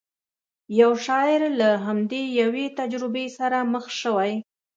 یو شاعر له همداسې یوې تجربې سره مخ شوی.